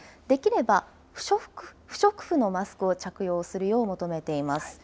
できれば不織布のマスクを着用するよう求めています。